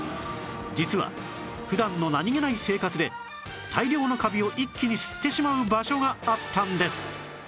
実は普段の何げない生活で大量のカビを一気に吸ってしまう場所があったんです